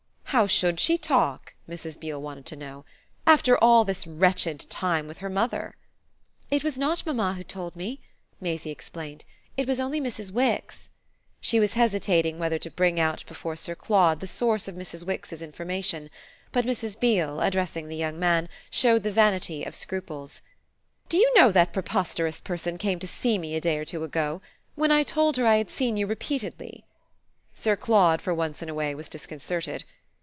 "How should she talk," Mrs. Beale wanted to know, "after all this wretched time with her mother?" "It was not mamma who told me," Maisie explained. "It was only Mrs. Wix." She was hesitating whether to bring out before Sir Claude the source of Mrs. Wix's information; but Mrs. Beale, addressing the young man, showed the vanity of scruples. "Do you know that preposterous person came to see me a day or two ago? when I told her I had seen you repeatedly." Sir Claude, for once in a way, was disconcerted.